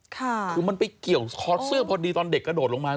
คือมันไปเกี่ยวคอเสื้อพอดีตอนเด็กกระโดดลงมา